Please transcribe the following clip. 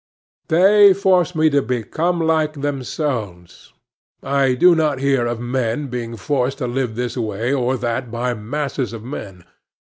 They force me to become like themselves. I do not hear of men being forced to live this way or that by masses of men.